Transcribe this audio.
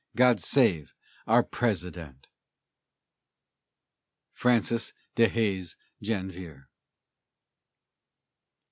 God save our President! FRANCIS DEHAES JANVIER.